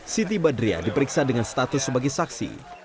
siti badriah diperiksa dengan status sebagai saksi